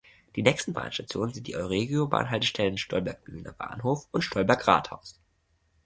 Die nächsten Bahnstationen sind die euregiobahn-Haltestellen "Stolberg-Mühlener Bahnhof" und "Stolberg-Rathaus".